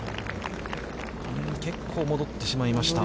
結構戻ってしまいました。